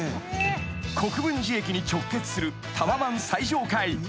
［国分寺駅に直結するタワマン最上階］